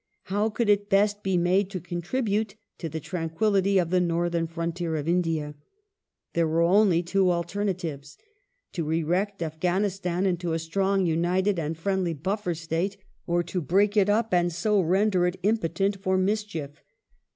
How could it best be made to contribute to the tranquillity of the Northern frontier of India ? There were only two alternatives. To erect Afghanistan into a strong, united, and friendly buffer State ; or to break it up and so render it impotent for mischief.